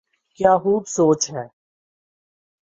کیا خوب سوچ ہے۔